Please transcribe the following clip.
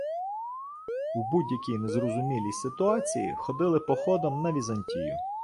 В будь-якій незрозумілій ситуації ходили походом на Візантію.